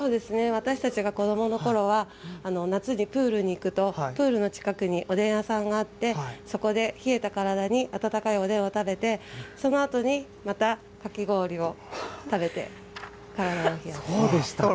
私たちが子どものころは、夏にプールに行くと、プールの近くにおでん屋さんがあって、そこで冷えた体に温かいおでんを食べて、そのあとにまたかき氷を食べて、体そうでしたか。